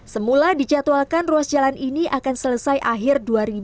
semula dijadwalkan ruas jalan ini akan selesai akhir dua ribu dua puluh